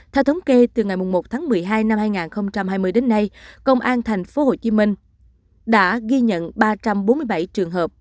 theo thống kê từ ngày một tháng một mươi hai năm hai nghìn hai mươi đến nay công an tp hcm đã ghi nhận ba trăm bốn mươi bảy trường hợp